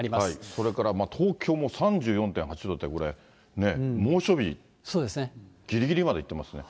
それから東京も３４．８度って、これね、猛暑日ぎりぎりまでいってますね。